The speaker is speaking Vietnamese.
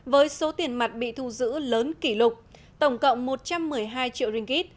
với số tiền mặt bị thu giữ lớn kỷ lục tổng cộng một trăm một mươi hai triệu ringgit